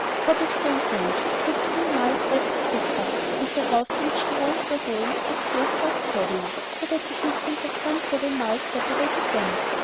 Copplestone Grange stood three miles west of Bideford, and the house to which the Youngs were going was close above Clovelly, so that a distance of some seven miles separated them.